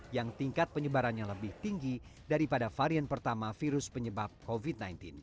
yang tingkat penyebarannya lebih tinggi daripada varian pertama virus penyebab covid sembilan belas